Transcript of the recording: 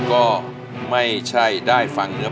เพลงนี้ที่๕หมื่นบาทแล้วน้องแคน